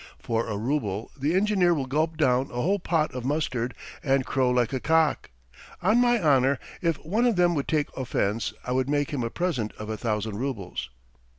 For a rouble the engineer will gulp down a whole pot of mustard and crow like a cock. On my honour, if one of them would take offence I would make him a present of a thousand roubles."